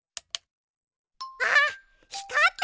あっひかった！